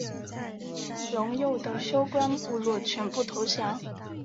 陇右的休官部落全部投降。